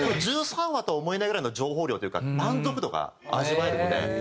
１３話と思えないぐらいの情報量というか満足度が味わえるので。